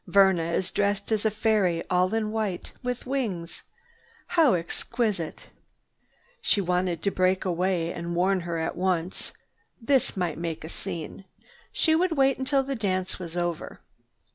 "Verna is dressed as a fairy, all in white, with wings. How exquisite!" She wanted to break away and warn her at once. This might make a scene. She would wait until the dance was over.